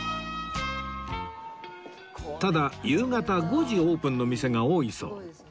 ただ夕方５時オープンの店が多いそう